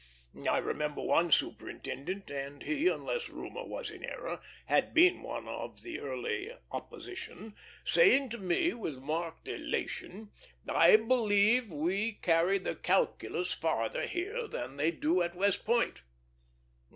I remember one superintendent and he, unless rumor was in error, had been one of the early opposition saying to me with marked elation, "I believe we carry the calculus farther here than they do at West Point."